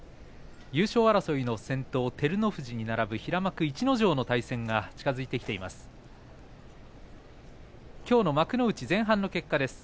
優勝争いの先頭、照ノ富士に並ぶ平幕逸ノ城の対戦が近づいてきています。